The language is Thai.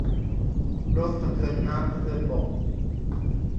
รถสะเทินน้ำสะเทินบก